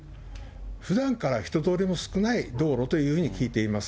ふだんから人通りも少ない道路というふうに聞いています。